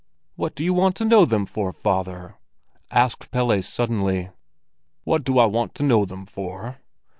"What do you want to know them for, father?" asked Pelle suddenly. "What do I want to know them for?"